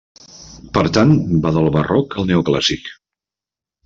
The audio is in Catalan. Per tant va del Barroc al Neoclàssic.